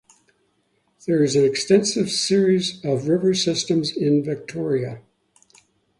There is an extensive series of river systems in Victoria.